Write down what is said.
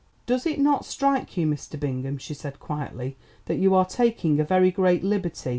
"Does it not strike you, Mr. Bingham," she said quietly, "that you are taking a very great liberty?